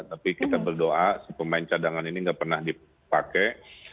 tapi kita berdoa pemain cadangan ini tidak pernah dipakai